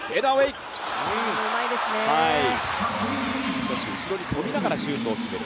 少し後ろに跳びながらシュートを決める